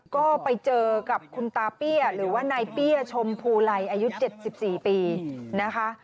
ก็ไปเจอกับคุณตาเปี้ยหรือว่านายเปี้ยชมภูไลอายุ๗๔ปีนะคะ